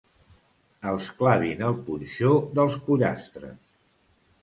Els clavin el punxó dels pollastres.